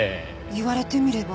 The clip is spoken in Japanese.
言われてみれば。